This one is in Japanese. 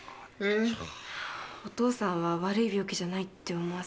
お父さんは悪い病気じゃないって思わせようとして。